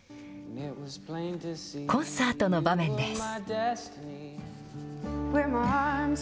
コンサートの場面です。